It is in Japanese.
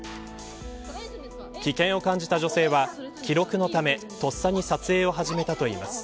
危険を感じた女性は、記録のためとっさに撮影を始めたといいます。